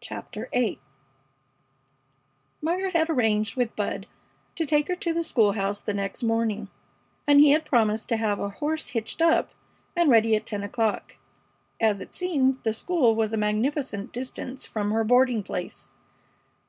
CHAPTER VIII Margaret had arranged with Bud to take her to the school house the next morning, and he had promised to have a horse hitched up and ready at ten o'clock, as it seemed the school was a magnificent distance from her boarding place.